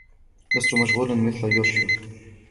لستُ مشغولًا مثل يوشيو.